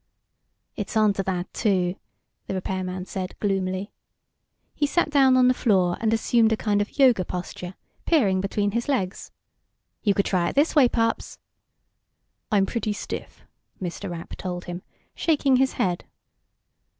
"It's onto that, too," the repairman said, gloomily. He sat down on the floor, and assumed a kind of Yoga posture, peering between his legs. "You could try it this way, Pops." "I'm pretty stiff," Mr. Rapp told him, shaking his head.